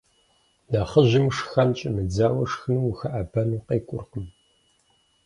Нэхъыжьым шхэн щӏимыдзауэ шхыным ухэӏэбэныр къеукӏуркъым.